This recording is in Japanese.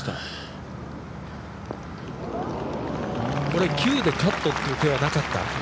これ、９でカットという手はなかった？